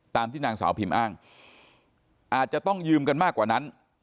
ตามที่นางสาวพิมอ้างอาจจะต้องยืมกันมากกว่านั้น